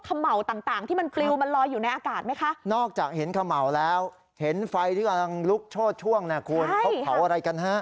เขม่าต่างต่างที่มันปลิวมันลอยอยู่ในอากาศไหมคะนอกจากเห็นเขม่าแล้วเห็นไฟที่กำลังลุกโชดช่วงนะคุณเขาเผาอะไรกันฮะ